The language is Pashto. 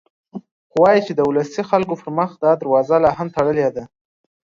خو وايي چې د ولسي خلکو پر مخ دا دروازه لا هم تړلې ده.